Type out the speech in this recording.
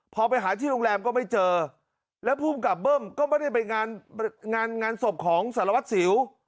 พอไปหาที่โรงแรมก็ไม่เจอแล้วภูมิกับเบิ้มก็ไม่ได้ไปงานงานศพของสารวัตรสิว